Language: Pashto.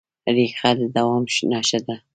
ریښه د دوام نښه ده.